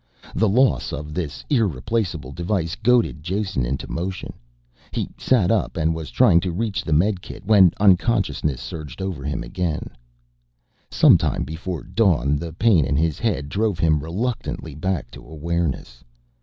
The loss of this irreplaceable device goaded Jason into motion, he sat up and was trying to reach the medikit when unconsciousness surged over him. Sometime before dawn the pain in his head drove him reluctantly back to awareness.